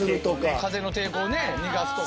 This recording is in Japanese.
風の抵抗をね逃がすとか。